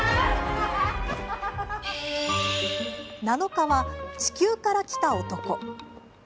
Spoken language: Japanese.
７日は「地球から来た男」。